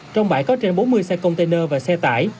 trong bãi có trên bốn mươi xe container và xe tải